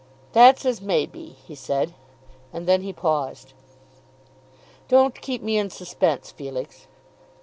"That's as may be," he said, and then he paused. "Don't keep me in suspense, Felix."